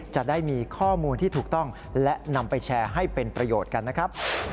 จะได้มีข้อมูลที่ถูกต้องและนำไปแชร์ให้เป็นประโยชน์กันนะครับ